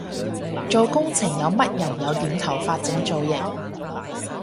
做工程冇乜人有染頭髮整造型